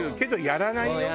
やらないよ。